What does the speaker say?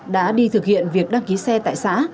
đã đi thực hiện việc đăng ký xe tại xã